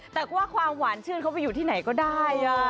แต่ว่าความหวานชื่นเขาไปอยู่ที่ไหนก็ได้